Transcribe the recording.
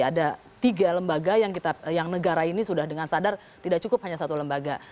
ada tiga lembaga yang negara ini sudah dengan sadar tidak cukup hanya satu lembaga